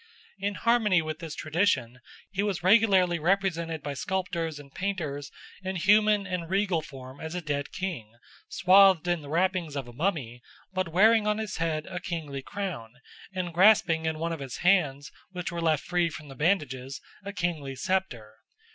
In harmony with this tradition he was regularly represented by sculptors and painters in human and regal form as a dead king, swathed in the wrappings of a mummy, but wearing on his head a kingly crown and grasping in one of his hands, which were left free from the bandages, a kingly sceptre.